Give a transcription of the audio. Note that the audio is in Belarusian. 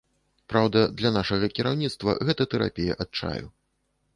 Праўда, для нашага кіраўніцтва гэта тэрапія адчаю.